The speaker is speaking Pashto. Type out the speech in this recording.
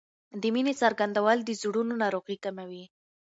د مینې څرګندول د زړونو ناروغۍ کموي.